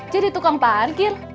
jadi tukang parkir